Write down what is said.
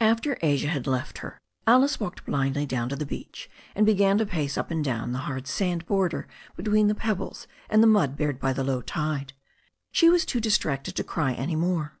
After Asia had left her Alice walked blindly down to the beach, and began to pace up and down the hard sand border THE STORY OF A NEW ZEALAND RIVER 137 between the pebbles and the mud bared by the low tide. She was too distracted to cry any more.